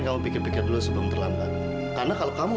kamu jaga diri kamu dan aku pasti doain kamu